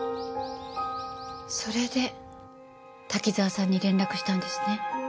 それで滝沢さんに連絡したんですね？